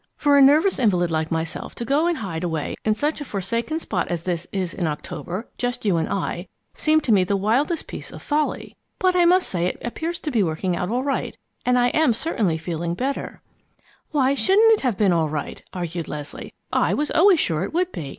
For a nervous invalid like myself to go and hide away in such a forsaken spot as this is in October, just you and I, seemed to me the wildest piece of folly. But I must say it appears to be working out all right, and I am certainly feeling better already." "But why shouldn't it have been all right?" argued Leslie. "I was always sure it would be.